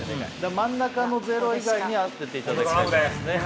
真ん中の０以外に当てていただきたいと思いますね